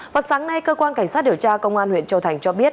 vào sáng nay cơ quan cảnh sát điều tra công an huyện châu thành cho biết